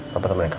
papa temenin kamu